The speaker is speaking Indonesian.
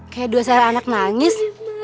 kayak dua seharian anak nangis